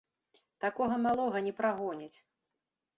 Такога малога не прагоняць.